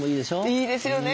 いいですよね。